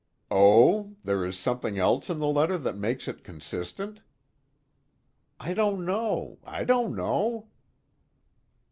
"Oh there is something else in the letter that makes it consistent?" "I don't know I don't know."